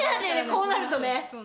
こうなるとね。